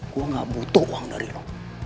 gue nggak butuh uang dari lo